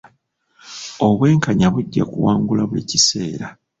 Obwenkanya bujja kuwangula buli kiseera.